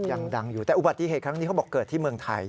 ยังดังอยู่แต่อุบัติเหตุครั้งนี้เขาบอกเกิดที่เมืองไทย